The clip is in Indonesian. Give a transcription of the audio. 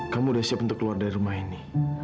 kamu udah siap untuk keluar dari rumah ini